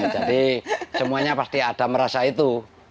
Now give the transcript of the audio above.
jadi semuanya pasti ada merasa itu